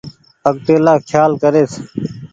آگتيلآ کيال ڪريس۔